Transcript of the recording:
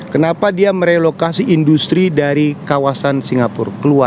kenapa dia merelokasi industri dari kawasan singapura